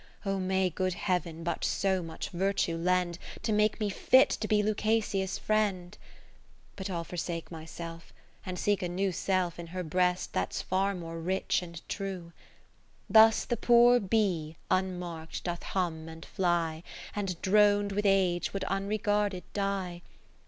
O may good Heav'n but so much virtue lend, To make me fit to be Lucasia's Friend ! But I'll forsake myself, and seek a new Self in her breast that 's far more rich and true. .^o Thus the poor Bee unmark'd doth hum and fly. And dron'd with age would unre garded die.